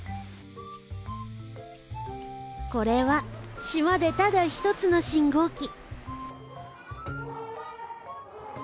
これは島でただ一つの信号機。